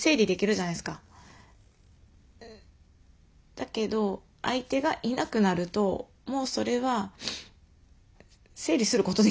だけど相手がいなくなるともうそれは整理することできないし。